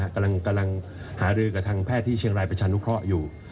กำลังหารือกับทางแพทย์ที่เชียงรายประชานุเคราะห์อยู่